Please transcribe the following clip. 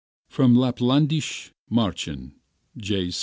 [From Lapplandische Marchen, J.